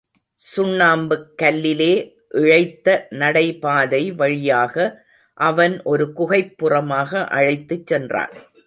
சுண்ணாம்புக் கல்லிலே இழைத்த நடைபாதை வழியாக அவன் ஒரு குகைப்புறமாக அழைத்துச் சென்றான்.